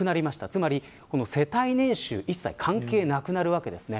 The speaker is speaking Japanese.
つまり、世帯年収一切関係なくなるわけです。